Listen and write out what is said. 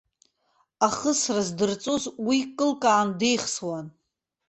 Ахысра здырҵоз уи кылкаан деихсуан.